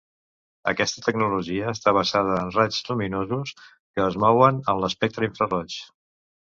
Aquesta tecnologia està basada en raigs lluminosos que es mouen en l'espectre infraroig.